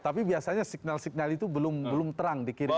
tapi biasanya signal signal itu belum terang dikirim